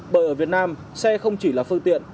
bởi ở việt nam xe không chỉ là phương tiện